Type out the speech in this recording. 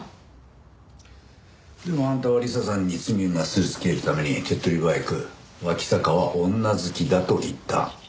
でもあんたは理彩さんに罪をなすりつけるために手っ取り早く脇坂は女好きだと言った。